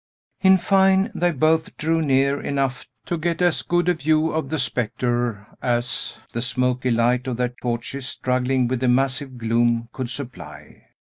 In fine, they both drew near enough to get as good a view of the spectre as the smoky light of their torches, struggling with the massive gloom, could supply.